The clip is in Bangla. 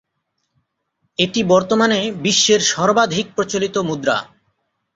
এটি বর্তমানে বিশ্বের সর্বাধিক প্রচলিত মুদ্রা।